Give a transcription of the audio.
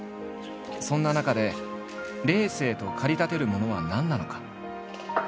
そんな中でレースへと駆り立てるものは何なのか？